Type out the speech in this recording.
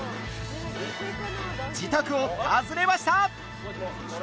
自宅を訪ねました。